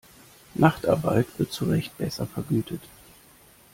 Nachtarbeit wird zurecht besser vergütet.